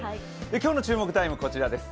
今日の注目タイムはこちらです。